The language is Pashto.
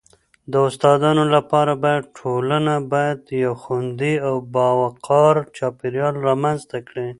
د استادانو لپاره باید ټولنه باید یو خوندي او باوقاره چاپیریال رامنځته کړي..